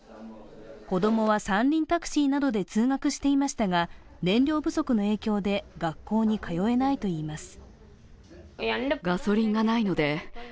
子供は、３人タクシーなどで通学していましたが、燃料不足の影響で学校に通えないといいます。